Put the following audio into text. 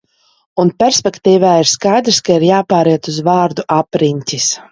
"Un perspektīvē ir skaidrs, ka ir jāpāriet uz vārdu "apriņķis"."